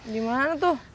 di mana tuh